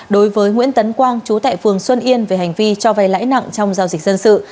đối với nguyễn tấn quang chú tại phường xuân yên về hành vi cho vay lãi nặng trong giao dịch dân sự